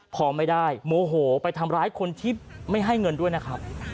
พอไม่ได้โมโหไปทำร้ายคนที่ไม่ให้เงินด้วยนะครับ